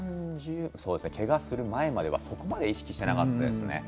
けがする前まではそこまで意識していなかったですね。